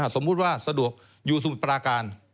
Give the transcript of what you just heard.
สมมุติว่าสะดวกอยู่สมุทรปราการ